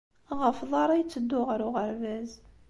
Ɣef uḍar ay yetteddu ɣer uɣerbaz.